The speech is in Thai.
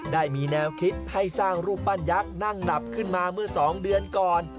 ได้มีแนวคิดให้สร้างรูปปั้นยักษ์นั่งนับขึ้นมาเมื่อ๒เดือนก่อน